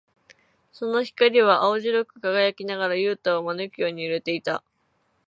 その光は青白く輝きながら、ユウタを招くように揺れていた。